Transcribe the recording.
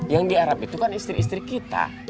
yang di arab itu kan istri istri kita